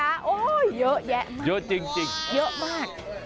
โอ้โฮเยอะแยะมากเยอะมาก